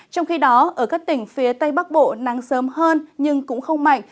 trong khi đó ở các tỉnh phía tây bắc bộ nắng sớm hơn nhưng cũng không mạnh